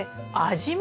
味も？